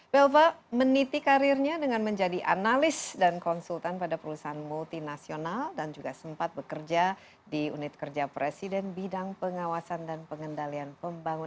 belva meniti karirnya dengan menjadi analis dan konsultan pada perusahaan multinasional dan juga sempat bekerja di unit kerja presiden bidang pengawasan dan pengendalian pembangunan